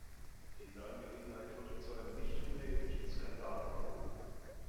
Diese Angelegenheit wurde zu einem nicht unerheblichen Skandal in Polen.